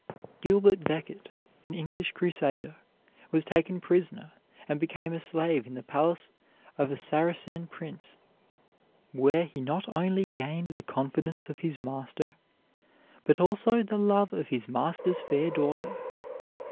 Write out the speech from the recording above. Gilbert Becket, an English Crusader, was taken prisoner and became a slave in the palace of a Saracen prince, where he not only gained the confidence of his master, but also the love of his master's fair daughter.